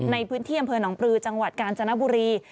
ในพื้นที่อำเภอหนองปลือจังหวัดกาญจนบุรี